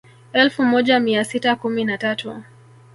Elfu moja mia sita kumi na tatu